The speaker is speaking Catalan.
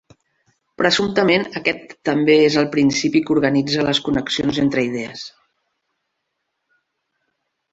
Presumptament, aquest també és el "principi" que organitza les connexions entre idees.